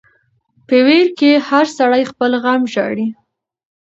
په ویر کی هر سړی خپل غم ژاړي .